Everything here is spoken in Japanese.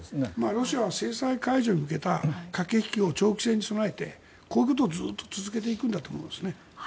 ロシアは制裁解除に向けた駆け引きを長期戦に備えてこういうことをずっと続けていくんだと思うんですね。